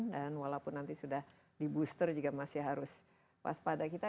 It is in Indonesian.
dan walaupun nanti sudah di booster juga masih harus waspada kita